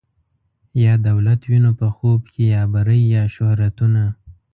یا دولت وینو په خوب کي یا بری یا شهرتونه